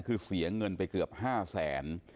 คือเสียเงินไปเกือบ๕แสน